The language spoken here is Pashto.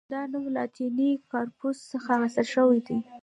دا نوم له لاتیني «کارپوس» څخه اخیستل شوی دی.